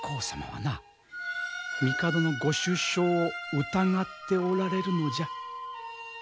はな帝のご出生を疑っておられるのじゃ。